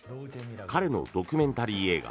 彼のドキュメンタリー映画